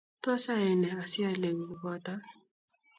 Tos ayai ne asialeku kubotok.